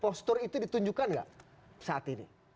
postur itu ditunjukkan nggak saat ini